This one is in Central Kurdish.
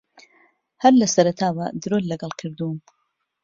ھەر لە سەرەتاوە درۆت لەگەڵ کردووم.